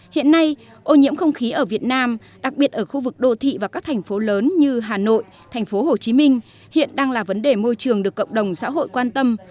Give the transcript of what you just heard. hiện nay ô nhiễm không khí ở việt nam đặc biệt ở khu vực đô thị và các thành phố lớn như hà nội thành phố hồ chí minh hiện đang là vấn đề môi trường được cộng đồng xã hội quan tâm